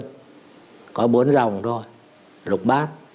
hội xuân có bốn dòng thôi lục bát